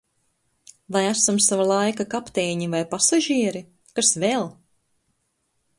Vai esam sava laika kapteiņi vai pasažieri? Kas vēl?